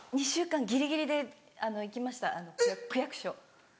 ２週間ギリギリで行きました区役所。